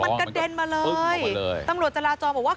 มันกระเด็นมาเลยตำรวจจราจรบอกว่า